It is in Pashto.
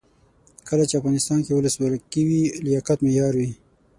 کله چې افغانستان کې ولسواکي وي لیاقت معیار وي.